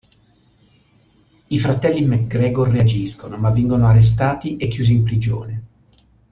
I fratelli MacGregor reagiscono, ma vengono arrestati e chiusi in prigione.